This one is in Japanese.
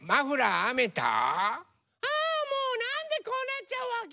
ああもうなんでこうなっちゃうわけ？